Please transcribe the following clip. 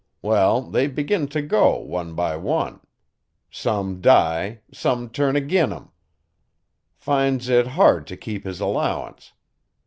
Wall, they begin t' go one by one. Some die, some turn agin' him. Fin's it hard t' keep his allowance.